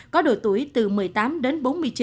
có độ tuổi từ một mươi tám đến bốn mươi chín